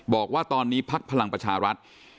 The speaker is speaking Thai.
บอกว่าตอนนี้ภัคดิ์พลังประชารัตผ์